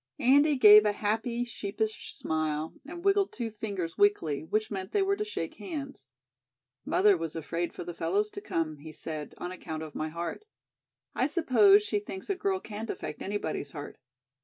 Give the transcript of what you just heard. Andy gave a happy, sheepish smile and wiggled two fingers weakly, which meant they were to shake hands. "Mother was afraid for the fellows to come," he said, "on account of my heart. I suppose she thinks a girl can't affect anybody's heart."